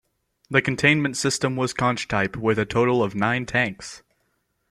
The containment system was Conch type with a total of nine tanks.